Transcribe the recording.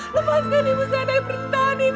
lepaskan ibu saya dari benda ini ya allah